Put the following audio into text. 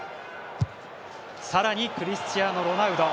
さらにクリスチアーノロナウド。